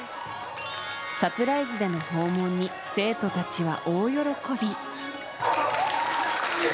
サプライズでの訪問に生徒たちは大喜び。